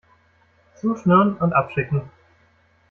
Zuschnüren und abschicken!